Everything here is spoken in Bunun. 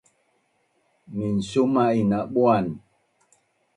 Minsuma’in na buan